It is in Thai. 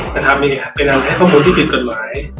จะทำไงครับไปนำให้ข้อมูลที่ผิดกฎหมาย